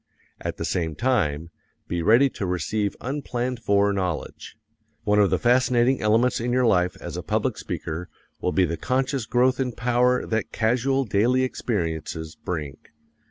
At the same time, be ready to receive unplanned for knowledge. One of the fascinating elements in your life as a public speaker will be the conscious growth in power that casual daily experiences bring.